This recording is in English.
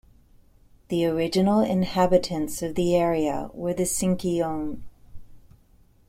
The original inhabitants of the area were the Sinkyone.